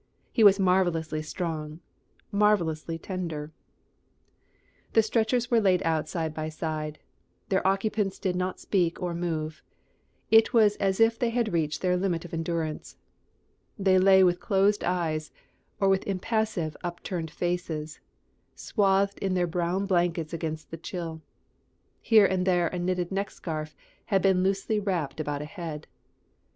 He was marvellously strong, marvellously tender. The stretchers were laid out side by side. Their occupants did not speak or move. It was as if they had reached their limit of endurance. They lay with closed eyes, or with impassive, upturned faces, swathed in their brown blankets against the chill. Here and there a knitted neck scarf had been loosely wrapped about a head.